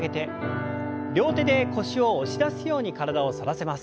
両手で腰を押し出すように体を反らせます。